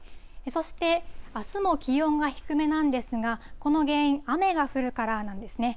そして、あすも気温が低めなんですが、この原因、雨が降るからなんですね。